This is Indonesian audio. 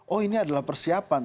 oh ini adalah persiapan